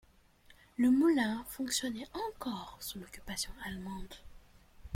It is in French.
Le moulin fonctionnait encore sous l'occupation allemande.